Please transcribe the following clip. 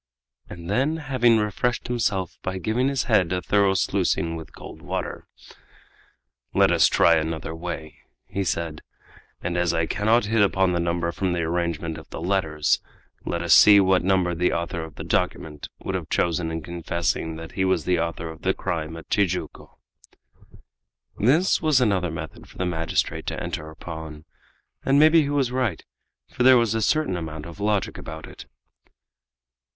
And then, having refreshed himself by giving his head a thorough sluicing with cold water: "Let us try another way," he said, "and as I cannot hit upon the number from the arrangement of the letters, let us see what number the author of the document would have chosen in confessing that he was the author of the crime at Tijuco." This was another method for the magistrate to enter upon, and maybe he was right, for there was a certain amount of logic about it.